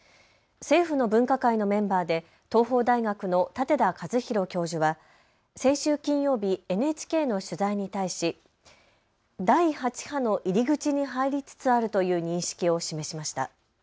政府の分科会のメンバーで東邦大学の舘田一博教授は先週金曜日、ＮＨＫの取材に対し第８波の入り口に入りつつあるという認識を示しました。